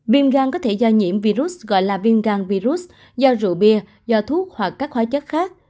viêm gan có thể do nhiễm virus gọi là viêm gan virus do rượu bia do thuốc hoặc các hóa chất khác